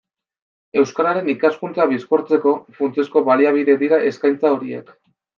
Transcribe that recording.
Euskararen ikaskuntza bizkortzeko funtsezko baliabide dira eskaintza horiek.